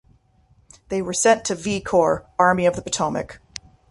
They were sent to V Corps, Army of the Potomac.